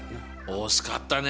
惜しかったね。